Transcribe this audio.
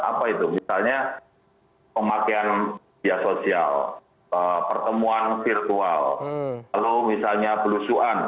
apa itu misalnya pemakaian biaya sosial pertemuan virtual lalu misalnya belusuan